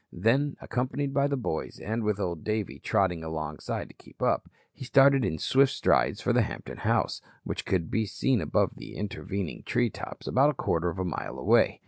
Then accompanied by the boys and with Old Davey trotting alongside to keep up, he started in swift strides for the Hampton house, which could be seen above the intervening tree tops, about a quarter of a mile away.